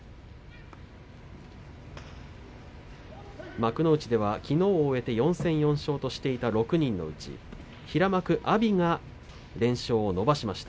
幕内ではきのうを終えて４戦４勝としていた６人のうち平幕、阿炎が連勝を伸ばしました。